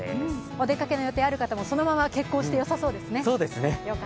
お出かけの予定ある方もそのまま決行してよさそうです。